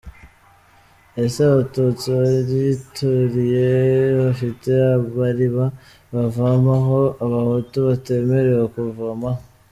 ese abatutsi bayituriye bafite amariba bavomaho abahutu batemerewe kuvomaho ?